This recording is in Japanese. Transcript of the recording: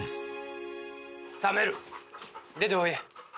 さあメル出ておいで。